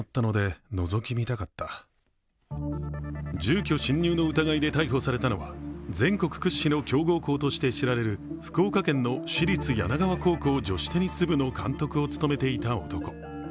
住居侵入の疑いで逮捕されたのは全国屈指の強豪校として知られる福岡県の私立柳川高校女子テニス部の監督を務めていた男。